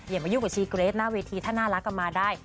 อย่ามายุ่งกับชีเกรทหน้าเวทีถ้าน่ารักก็มาได้